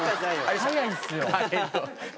早いんすよ。